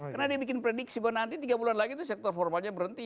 karena dia bikin prediksi bahwa nanti tiga bulan lagi sektor formalnya berhenti